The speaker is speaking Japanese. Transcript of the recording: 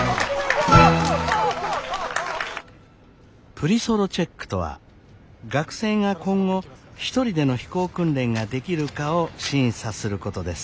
プリソロチェックとは学生が今後一人での飛行訓練ができるかを審査することです。